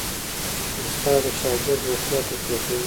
استاد د شاګرد وړتیا تقویه کوي.